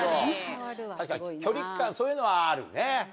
確かに距離感そういうのはあるね。